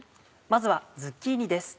まずはズッキーニです。